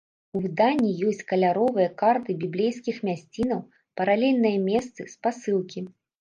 У выданні ёсць каляровыя карты біблейскіх мясцінаў, паралельныя месцы, спасылкі.